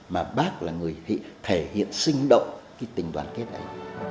mà bác là người thể hiện sinh động cái tình đoàn kết ấy